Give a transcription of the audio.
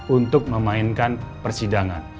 untuk memainkan persidangan